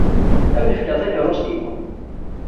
Ad m-n-fkeɣ takeṛṛust-inu.